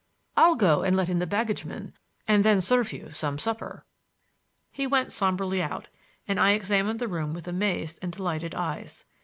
I'll go and let in the baggageman and then serve you some supper." He went somberly out and I examined the room with amazed and delighted eyes.